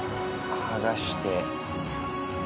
剥がして。